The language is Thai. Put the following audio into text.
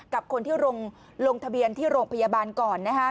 กับคนที่ลงทะเบียนที่โรงพยาบาลก่อน